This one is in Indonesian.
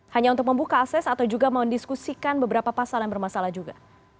hanya untuk membuka akses atau juga mendiskusikan beberapa pasal yang bermasalah juga